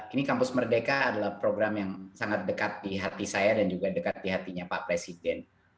ini kampus merdeka adalah program yang sangat dekat di hati saya dan juga dekat di hatinya pak presiden